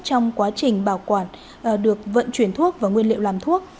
trong quá trình bảo quản được vận chuyển thuốc và nguyên liệu làm thuốc